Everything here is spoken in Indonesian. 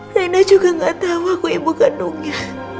reina juga gak tau aku ibu kandungnya